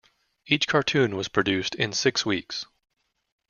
Each cartoon was produced in six weeks.